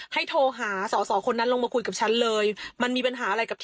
เฮ่ยให้ก้สชื่อไหนมีแคระ